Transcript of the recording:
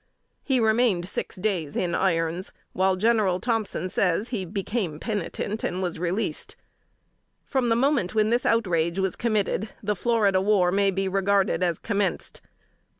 He remained six days in irons, when, General Thompson says, he became penitent, and was released. From the moment when this outrage was committed, the Florida War may be regarded as commenced.